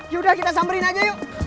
ya udah kita samberin aja yuk